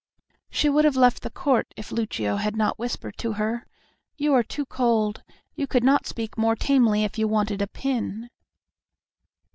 She would have left the court if Lucio had not whispered to her, "You are too cold; you could not speak more tamely if you wanted a pin."